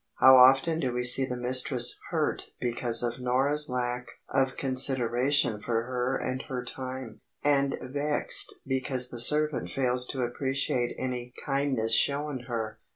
How often do we see the mistress "hurt" because of Norah's lack of consideration for her and her time, and vexed because the servant fails to appreciate any kindness shown her?